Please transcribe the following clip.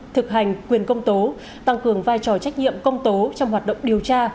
thực hành quyền công tố tăng cường vai trò trách nhiệm công tố trong hoạt động điều tra